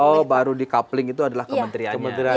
kalau baru di coupling itu adalah kementerianya